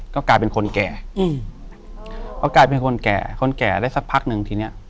ก็กลายเป็นคนแก่อืมเพราะกลายเป็นคนแก่คนแก่ได้สักพักหนึ่งทีเนี้ย